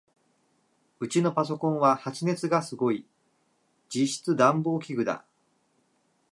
ウチのパソコンは発熱がすごい。実質暖房器具だ。